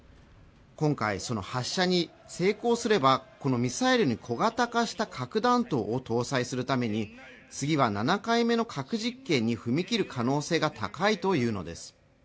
今回その発射に成功すればこのミサイルに小型化した核弾頭を搭載するために次は７回目の核実験に踏み切る可能性が高いというのです